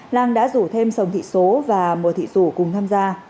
lan đã rủ thêm sống thị số và mùa thị dũ cùng tham gia